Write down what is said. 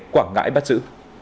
quảng ngãi bắt giữ